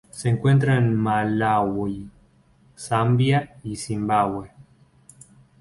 Se encuentra en Malaui, Zambia y Zimbabue.